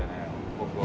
僕は。